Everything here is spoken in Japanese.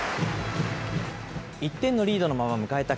１点のリードのまま、迎えた